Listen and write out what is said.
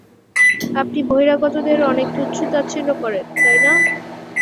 আপনি বহিরাগতদের অনেক তুচ্ছ তাচ্ছিল্য করেন, তাই না?